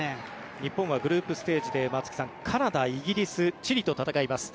日本はグループステージでカナダ、イギリスチリと戦います。